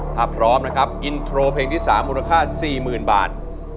ถ้าพร้อมนะครับอินโทรเพลงที่๓มูลค่า๔๐๐๐บาท